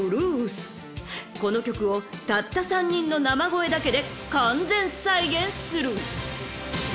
［この曲をたった３人の生声だけで完全再現する］